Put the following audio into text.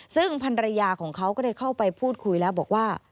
ซึ่งพันรยาของเขาก็ได้เข้าไปพูดคุยแล้วบอกว่า